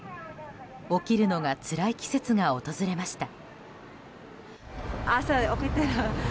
起きるのがつらい季節が訪れました。